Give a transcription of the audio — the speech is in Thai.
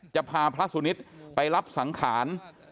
จะพาพระสุนิทไปรับสังขาร